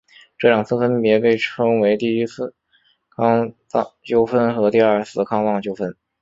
这两次分别被称为第一次康藏纠纷和第二次康藏纠纷。